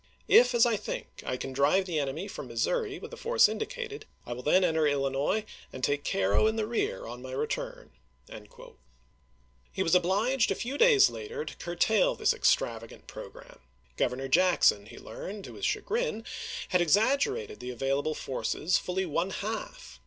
.. If, as I think, I can Pom to drive the enemy from Missouri with the force indicated, I Juiy23,i86i. will then enter Illinois and take Cairo in the rear on my W. R. Vol. III., p. 613. return. He was obliged a few days later to curtail this extravagant programme. Governor Jackson, he learned, to his chagrin, had exaggerated the avail able forces f uUy one half